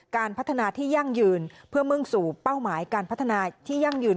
การพัฒนาที่ยั่งยืนเพื่อมุ่งสู่เป้าหมายการพัฒนาที่ยั่งยืน